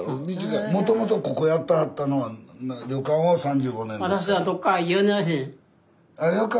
もともとここやってはったのは旅館を３５年ですか？